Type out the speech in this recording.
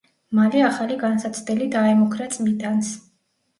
მალე ახალი განსაცდელი დაემუქრა წმიდანს.